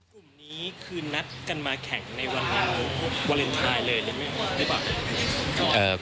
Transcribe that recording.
กลุ่มนี้คือนัดกันมาแข่งในวันวาเลนไทยเลยหรือไม่